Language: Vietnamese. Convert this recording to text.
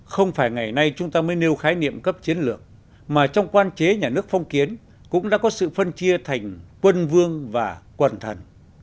không phải ngày nay chúng ta mới nêu khái niệm cấp chiến lược mà trong quan chế nhà nước phong kiến cũng đã có sự phân chia thành quân vương và quần thần